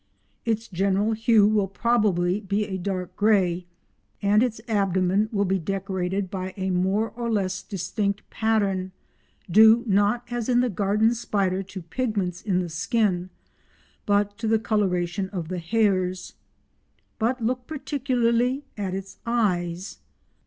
Its general hue will probably be a dark grey, and its abdomen will be decorated by a more or less distinct pattern due, not as in the garden spider to pigments in the skin, but to the coloration of the hairs. But look particularly at its eyes.